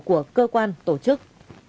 của cơ quan tổ chức